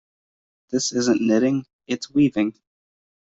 This isn't knitting, its weaving.